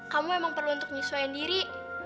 kamu emang perlu untuk nyesuaikan diri